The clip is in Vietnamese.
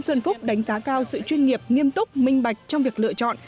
nguyễn xuân phúc đánh giá cao sự chuyên nghiệp nghiêm túc minh bạch trong việc lựa chọn